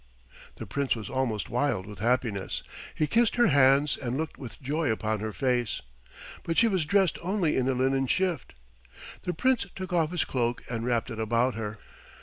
The Prince was almost wild with happiness. He kissed her hands and looked with joy upon her face. But she was dressed only in a linen shift. The Prince took off his cloak and wrapped it about her.